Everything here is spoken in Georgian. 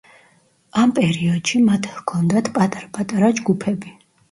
ამ პერიოდში მათ ჰქონდათ პატარ-პატარა ჯგუფები.